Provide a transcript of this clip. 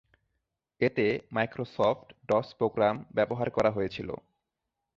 এতে Microsoft DOS program ব্যবহার করা হয়েছিল।